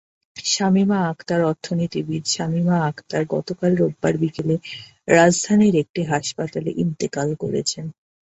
শামীমা আখতারঅর্থনীতিবিদ শামীমা আখতার গতকাল রোববার বিকেলে রাজধানীর একটি হাসপাতালে ইন্তেকাল করেছেন।